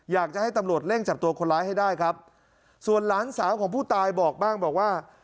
อยากจะให้ตำรวจเร่งจับตัวคนร้ายให้ได้ครับส่วนหลานสาวของผู้ตายบอกบ้างบอกว่า